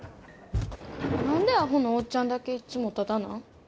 何でアホのおっちゃんだけいつもタダなん？